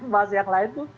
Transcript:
itu kan bahasa yang lain itu